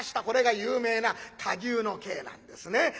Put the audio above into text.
これが有名な火牛の計なんですね。